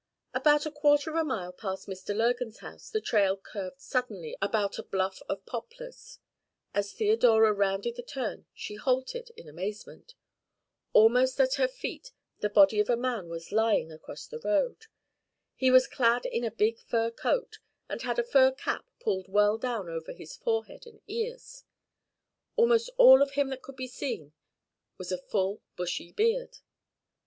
About a quarter of a mile past Mr. Lurgan's house the trail curved suddenly about a bluff of poplars. As Theodora rounded the turn she halted in amazement. Almost at her feet the body of a man was lying across the road. He was clad in a big fur coat, and had a fur cap pulled well down over his forehead and ears. Almost all of him that could be seen was a full bushy beard.